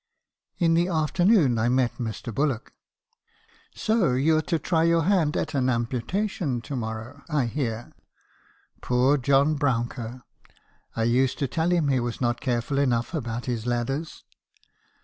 "In the afternoon I met Mr. Bullock. "' So you 're to try your hand at an amputation to morrow, I hear. Poor John Brouncker! I used to tell him he was not careful enough about his ladders.